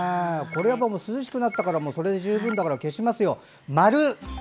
涼しくなったからそれで十分だから消します、○！